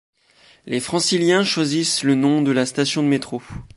Les franciliens choisissent le nom de la station de métro.